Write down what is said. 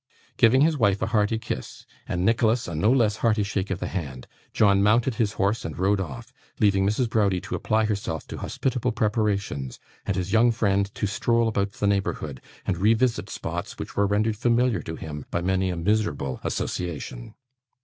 Giving his wife a hearty kiss, and Nicholas a no less hearty shake of the hand, John mounted his horse and rode off: leaving Mrs. Browdie to apply herself to hospitable preparations, and his young friend to stroll about the neighbourhood, and revisit spots which were rendered familiar to him by many a miserable association.